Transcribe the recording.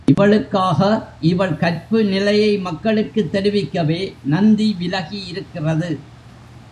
இவளுக்காக, இவள் கற்பு நிலையை மக்களுக்குத் தெரிவிக்கவே, நந்தி விலகி இருக்கிறது.